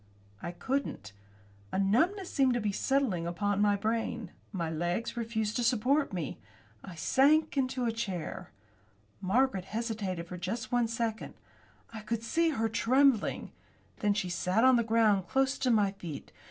I couldn't. A numbness seemed to be settling on my brain. My legs refused to support me. I sank into a chair. Margaret hesitated for just one second. I could see her trembling. Then she sat on the ground close to my feet.